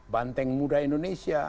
banteng muda indonesia